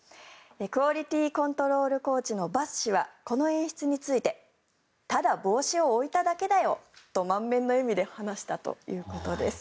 クオリティー・コントロール・コーチのバス氏はこの演出についてただ帽子を置いただけだよと満面の笑みで話したということです。